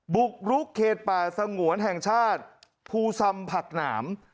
บุกรุกเขตป่าสงวนแห่งชาติภูซำผักหนาม